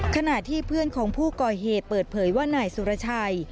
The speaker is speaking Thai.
ขณะที่เพื่อนของผู้ก่อเหตุเปิดเผยว่านายสุรชัย